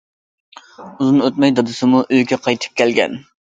ئۇزۇن ئۆتمەي دادىسىمۇ ئۆيگە قايتىپ كەلگەن.